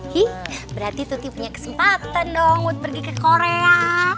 hi berarti tuti punya kesempatan dong untuk pergi ke korea